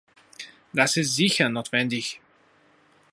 Das ist sicher notwendig.